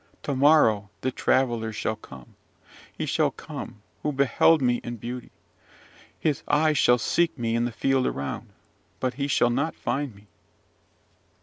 Tomorrow the traveller shall come, he shall come, who beheld me in beauty: his eye shall seek me in the field around, but he shall not find me."